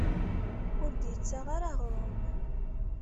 Ur d-yettaɣ ara aɣṛum.